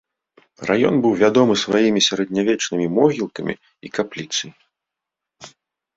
Раён быў вядомы сваімі сярэднявечнымі могілкамі і капліцай.